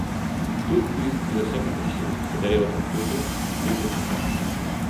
Тут ты безо всякой причины подарил этому плуту тридцать тысяч.